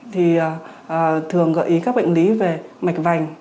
thì thường gợi ý các bệnh lý về mạch vành